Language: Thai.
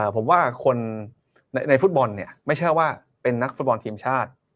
ผมว่าคนในฟุตบอลเนี่ยไม่ใช่ว่าเป็นนักฟุตบอลทีมชาติ